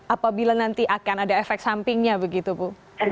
apabila nanti akan ada efek sampingnya begitu bu